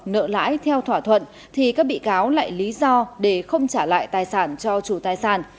nợ lãi theo thỏa thuận thì các bị cáo lại lý do để không trả lại tài sản cho chủ tài sản